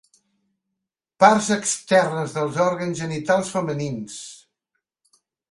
Parts externes dels òrgans genitals femenins.